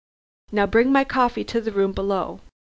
Now bring my coffee to the room below.